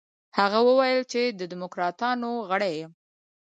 هغه وویل چې د دموکراتانو غړی یم.